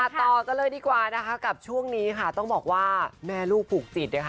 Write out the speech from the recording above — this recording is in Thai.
ต่อกันเลยดีกว่านะคะกับช่วงนี้ค่ะต้องบอกว่าแม่ลูกผูกจิตนะคะ